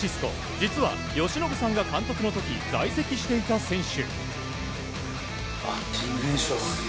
実は由伸さんが監督の時、在籍していた選手。